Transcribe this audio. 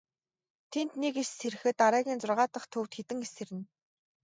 Тэнд нэг эс сэрэхэд дараагийн зургаа дахь төвд хэдэн эс сэрнэ.